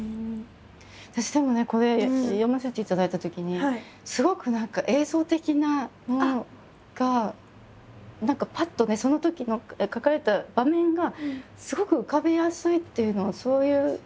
私でもねこれ読ませていただいたときにすごく何か映像的なものが何かパッとねそのときの書かれた場面がすごく浮かびやすいっていうのはそういうのはあるのかしら？